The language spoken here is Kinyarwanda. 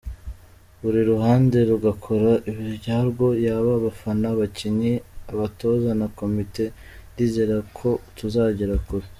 Buri ruhande rugakora ibyarwo yaba abafana, abakinnyi, abatoza na komite ndizera ko tuzagera kure.